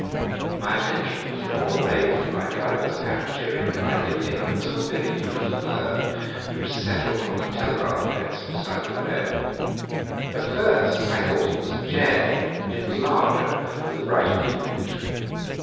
My attention was drawn away from my driver's panegyric by the appearance of a very beautiful bird which settled on a telegraph post beside the road. At first I thought that it was a jay, but it was larger, with a brighter plumage.